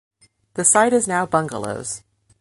The site is now bungalows.